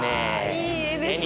いい絵ですね。